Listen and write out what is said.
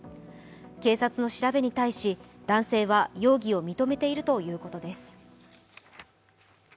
警察の調べに対し男性は容疑を認めているということです。